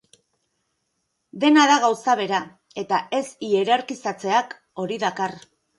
Dena da gauza bera, eta ez hierarkizatzeak hori dakar.